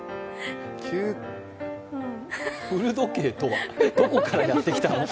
古時計とはどこからやってきた？